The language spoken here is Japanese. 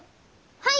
はい！